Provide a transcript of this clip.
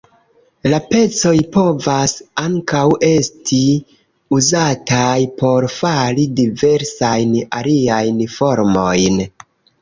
La pecoj povas ankaŭ esti uzataj por fari diversajn aliajn formojn.